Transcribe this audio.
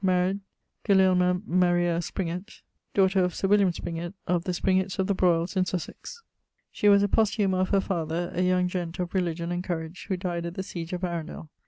married Gulielma Maria Springet, daughter of Sir William Springet, of the Springets of the Broyles in Sussex. She was a posthuma of her father, a young gent. of religion and courage who dyed at the siege of Arundel.